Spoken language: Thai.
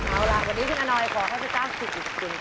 เอาล่ะวันนี้ฉันอณอยของแค่๙๐สิมพันครับ